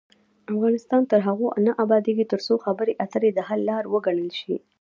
افغانستان تر هغو نه ابادیږي، ترڅو خبرې اترې د حل لار وګڼل شي.